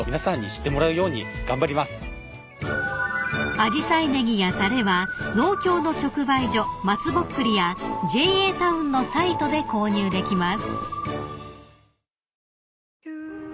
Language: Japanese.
［あじさいねぎやたれは農協の直売所まつぼっくりやＪＡタウンのサイトで購入できます］